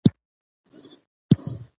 تباهي به وي په برخه د مرغانو